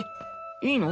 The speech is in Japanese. いいの？